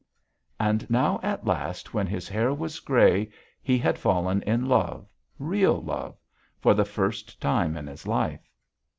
And now at last when his hair was grey he had fallen in love, real love for the first time in his life.